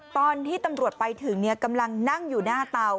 ตอนที่ตำรวจไปถึงกำลังนั่งอยู่หน้าเตา